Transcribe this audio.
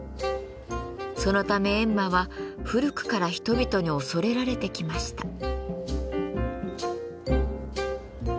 そのため閻魔は古くから人々に恐れられてきました。